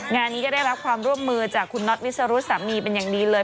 งานนี้ก็ได้รับความร่วมมือจากคุณน็อตวิสรุสามีเป็นอย่างดีเลย